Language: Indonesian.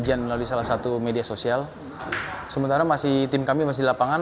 jadi kanan manusiaeftron ost app itu frontkara